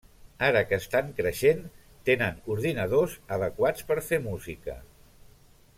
Ara que estan creixent, tenen ordinadors adequats per fer música.